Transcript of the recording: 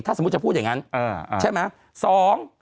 ถ้าสมมุติจะพูดอย่างนั้นใช่ไหม